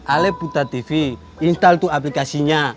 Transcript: ali putra tv install tuh aplikasinya